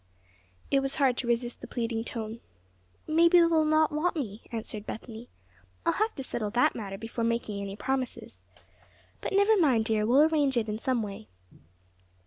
It was hard to resist the pleading tone. "Maybe they'll not want me," answered Bethany. "I'll have to settle that matter before making any promises. But never mind, dear, we'll arrange it in some way."